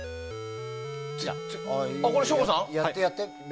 やって、やって。